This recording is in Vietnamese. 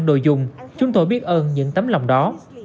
đồ dùng chúng tôi biết ơn những tấm lòng đó